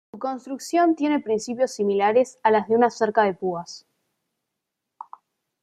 Su construcción tiene principios similares a las de una cerca de púas.